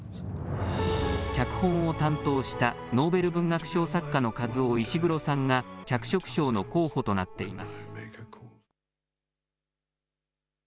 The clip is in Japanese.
脚本を担当したノーベル文学賞作家のカズオ・イシグロさんが脚色賞の候補となっています。